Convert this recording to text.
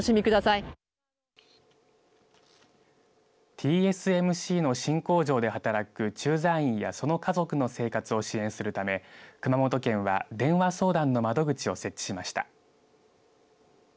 ＴＳＭＣの新工場で働く駐在員やその家族の生活を支援するため熊本県は電話相談の窓口を設置しました。